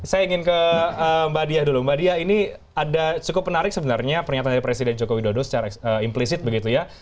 saya ingin ke mbak dya dulu mbak dya ini cukup menarik sebenarnya pernyataan dari presiden jokowi dodo secara implisit begitu ya